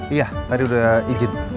iya tadi udah izin